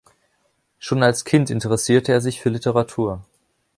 Schon als Kind interessierte er sich für Literatur.